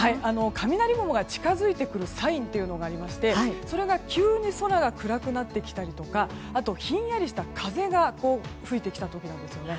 雷雲が近づいてくるサインがありまして急に空が暗くなってきたりとかひんやりした風が吹いてきた時なんですね。